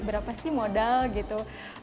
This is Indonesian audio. berapa sih modal gitu